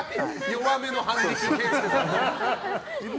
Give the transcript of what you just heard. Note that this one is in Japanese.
弱めの反撃、健介さん。